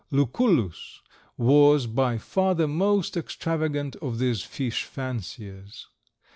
Lucullus was by far the most extravagant of these fish fanciers.